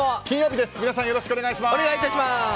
金曜日です。